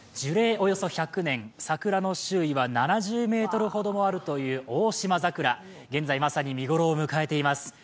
およそ１００年、桜の周囲はおよそ７ｍもあるというオオシマザクラ、現在、まさに見頃を迎えています。